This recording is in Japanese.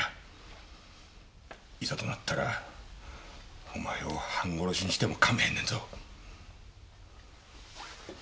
いざとなったらお前を半殺しにしてもかまへんねんぞ。